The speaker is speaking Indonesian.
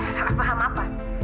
salah paham apa